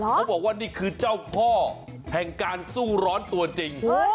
เขาบอกว่านี่คือเจ้าพ่อแห่งการสู้ร้อนตัวจริง